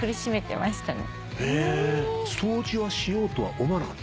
掃除はしようとは思わなかった？